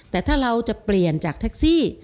แต่ถ้าเราจะเปลี่ยนจากแท็กซี่